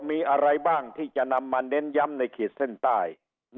มีอะไรบ้างที่จะนำมาเน้นย้ำในขีดเส้นใต้